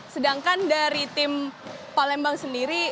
sedangkan dari tim palembang sendiri